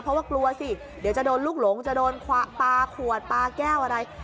เพราะว่ากลัวสิเดี๋ยวจะโดนลูกหลงจะโดนปลาขวดปลาแก้วอะไร